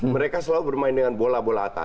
mereka selalu bermain dengan bola bola atas